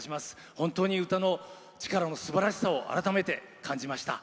本当に歌の力のすばらしさを改めて感じました。